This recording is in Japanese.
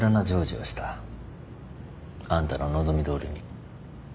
あんたの望みどおりに。